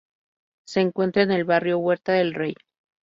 Se encuentra en el barrio Huerta del rey